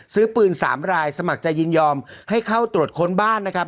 ซื้อปืน๓รายสมัครใจยินยอมให้เข้าตรวจค้นบ้านนะครับ